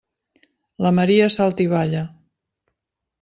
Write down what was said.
La Maria salta i balla.